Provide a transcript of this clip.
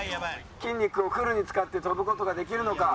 筋肉をフルに使って跳ぶ事ができるのか？